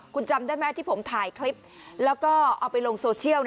คุณจำได้ไหมที่ผมถ่ายคลิปแล้วก็เอาไปลงโซเชียล